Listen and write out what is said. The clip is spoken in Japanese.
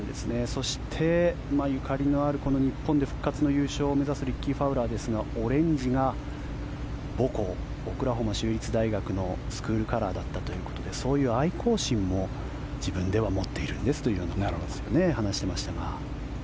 そして、ゆかりのある日本で復活の優勝を目指すリッキー・ファウラーですがオレンジが母校、オクラホマ州立大学のスクールカラーだったということでそういう愛校心も自分では持っているんですと話していましたが。